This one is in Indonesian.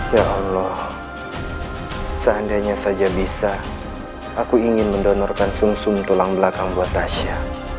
ya allah seandainya saja bisa aku ingin mendonorkan sum sum tulang belakang buat tasya